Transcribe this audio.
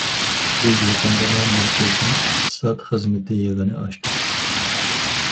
بىز يېقىندىلا مەركەزنىڭ ئىقتىساد خىزمىتى يىغىنى ئاچتۇق.